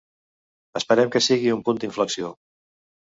Esperem que siga un punt d’inflexió.